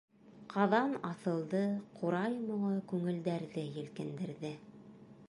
Ҡаҙан аҫылды, ҡурай моңо күңелдәрҙе елкендерҙе.